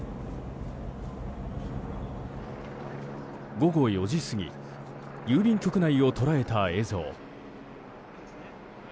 午後４時過ぎ郵便局内を捉えた映像。